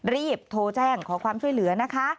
รีบโทรแจ้งขอความช่วยเหลือนะคะ